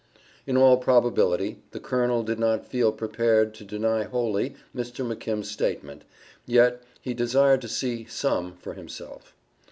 In all probability the Colonel did not feel prepared to deny wholly Mr. McKim's statement, yet, he desired to see "some" for himself.